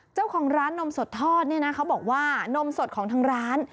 เจ้าของร้านนมสดทอดเนี่ยนะเขาบอกว่านมสดของทางร้าน